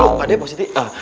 tunggu dulu pak deh